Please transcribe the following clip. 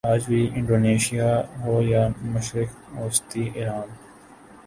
آج بھی انڈونیشیا ہو یا مشرق وسطی ایران